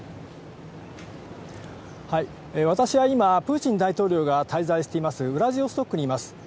はい、私は今、プーチン大統領が滞在しています、ウラジオストクにいます。